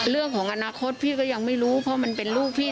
เรื่องของอนาคตพี่ก็ยังไม่รู้เพราะมันเป็นลูกพี่